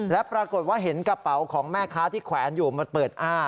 และปรากฏว่าเห็นกระเป๋าของแม่ค้าที่แขวนอยู่มันเปิดอ้า